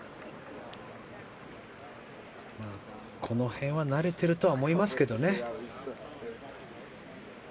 この辺は慣れているとは思いますけどね。